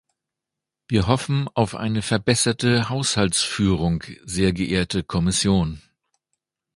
Wir hoffen auf eine verbesserte Haushaltsausführung, sehr geehrte Kommission!